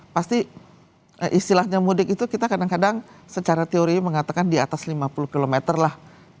pasti istilahnya mudik itu kita kadang kadang secara teori mengatakan di atas lima puluh km lah